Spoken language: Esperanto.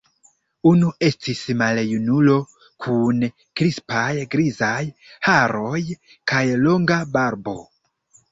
Unu estis maljunulo kun krispaj grizaj haroj kaj longa barbo.